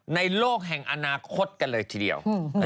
ในโลกแห่งอนาคตกันเลยทีเดียว